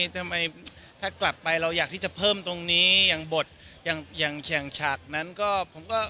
ทำไมถ้ากลับไปเราอยากที่จะเพิ่มตรงนี้อย่างบทอย่างอย่างแข่งฉากนั้นก็ผมก็